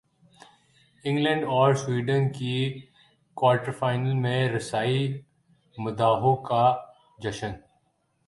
England اور Sweden کی quarter final میں رسائی مداحوں کا جشن